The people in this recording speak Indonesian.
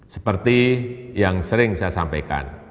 seperti yang sering saya sampaikan